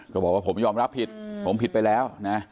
บอกว่าผมยอมรับผิดผมผิดไปแล้วนะ